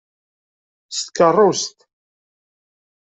S tkeṛṛust!